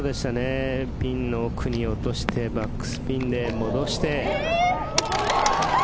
ピンの奥に落としてバックスピンで戻して。